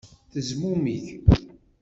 Tezmumeg.